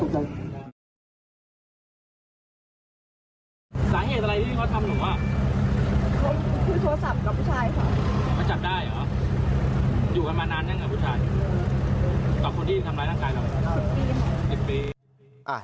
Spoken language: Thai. ต่อคนที่ทำร้ายร่างกายเหรอ